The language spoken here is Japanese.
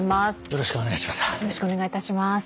よろしくお願いします。